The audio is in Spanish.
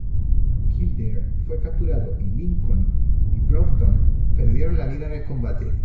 Kildare fue capturado y Lincoln y Broughton perdieron la vida en el combate.